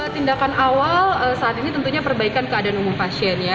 tindakan awal saat ini tentunya perbaikan keadaan umum pasien ya